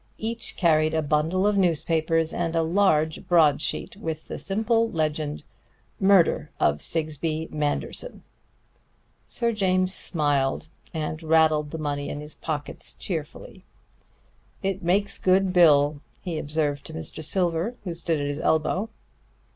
Each carried a bundle of newspapers and a large broadsheet with the simple legend: MURDER OF SIGSBEE MANDERSON Sir James smiled and rattled the money in his pockets cheerfully. "It makes a good bill," he observed to Mr. Silver, who stood at his elbow.